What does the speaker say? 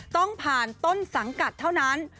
ต้องผ่านต้นสังกัดเท่านั้น